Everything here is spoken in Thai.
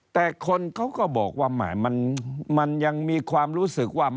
แต่คนเขาก็บอกว่าแหมมันยังมีความรู้สึกว่า